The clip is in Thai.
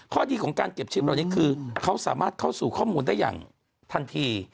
ดีของการเก็บชิปเหล่านี้คือเขาสามารถเข้าสู่ข้อมูลได้อย่างทันที